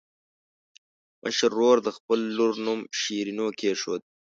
مشر ورور د خپلې لور نوم شیرینو کېښود.